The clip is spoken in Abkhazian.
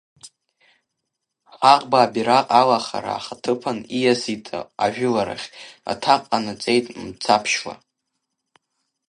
Ҳаӷба абираҟ алахара ахаҭыԥан ииасит ажәыларахь, аҭак ҟанаҵеит мцаԥшьла.